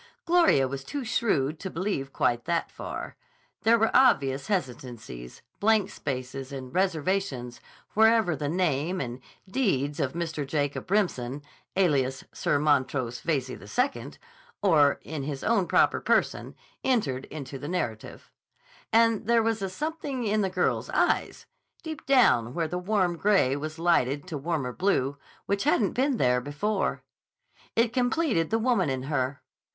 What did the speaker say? Gloria was too shrewd to believe quite that far. There were obvious hesitancies, blank spaces, and reservations wherever the name and deeds of Mr. Jacob Remsen, alias Sir Montrose Veyze II, or in his own proper person, entered into the narrative. And there was a something in the girl's eyes, deep down where the warm gray was lighted to warmer blue, which hadn't been there before. It completed the woman in her.